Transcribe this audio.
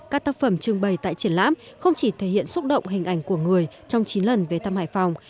các tác phẩm trưng bày tại triển lãm không chỉ thể hiện xúc động hình ảnh của người trong chín lần về thăm hải phòng